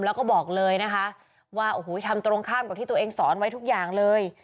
แล้วก็บอกเลยนะคะว่าโอ้โหทำตรงข้ามกับที่ตัวเองสอนไว้ทุกอย่างเลย